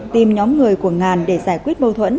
tìm nhóm người của ngàn để giải quyết mâu thuẫn